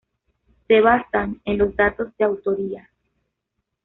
Se basan en los datos de autoría.